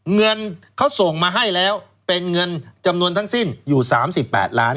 เงินเขาส่งมาให้แล้วเป็นเงินจำนวนทั้งสิ้นอยู่๓๘ล้าน